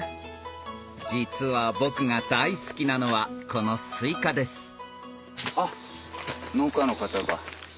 実は僕が大好きなのはこのスイカですあっ農家の方が。